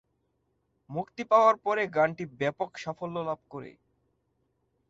মুক্তি পাওয়ার পরে গানটি ব্যাপক সাফল্য লাভ করে।